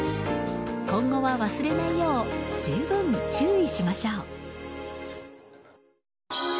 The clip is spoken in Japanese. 今後は忘れないよう十分注意しましょう。